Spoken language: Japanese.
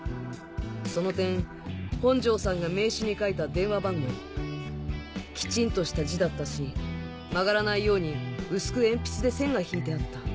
その点本上さんが名刺に書いた電話番号きちんとした字だったし曲がらないように薄く鉛筆で線が引いてあった。